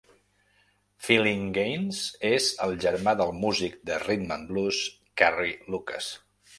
Phillinganes és el germà del músic de "rhythm-and-blues" Carrie Lucas.